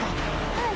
はい。